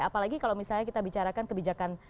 apalagi kalau misalnya kita bicarakan kebijakan